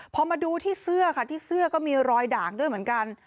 พอมาดูที่เสื้อค่ะที่เสื้อก็มีรอยด่างด้วยเหมือนกัน